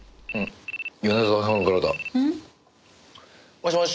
もしもし。